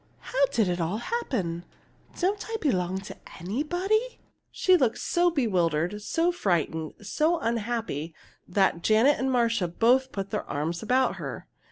How did it all happen? Don't I belong to anybody?" She looked so bewildered, so frightened, so unhappy, that Janet and Marcia both put their arms about her.